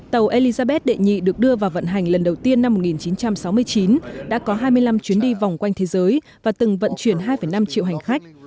tàu elizabeth đệ nhị được đưa vào vận hành lần đầu tiên năm một nghìn chín trăm sáu mươi chín đã có hai mươi năm chuyến đi vòng quanh thế giới và từng vận chuyển hai năm triệu hành khách